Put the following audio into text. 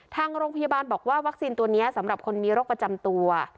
ทางโรงพยาบาลบอกว่าวัคซีนตัวนี้สำหรับคนมีโรคประจำตัว